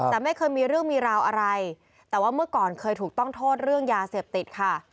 แต่ไม่เคยมีเรื่องมีราวอะไรแต่ว่าเมื่อก่อนเคยถูกต้องโทษเรื่องยาเสพติดค่ะ